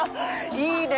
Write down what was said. いいね！」